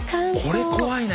これ怖いね。